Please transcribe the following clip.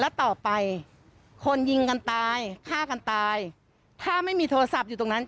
แล้วต่อไปคนยิงกันตายฆ่ากันตายถ้าไม่มีโทรศัพท์อยู่ตรงนั้น